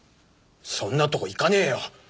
そんなとこ行かねえよ。